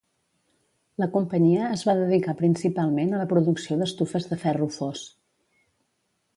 La companyia es va dedicar principalment a la producció d'estufes de ferro fos.